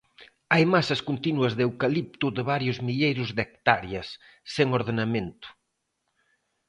Hai masas continuas de eucalipto de varios milleiros de hectáreas, sen ordenamento.